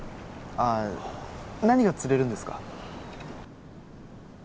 ああ何が釣れるんですか？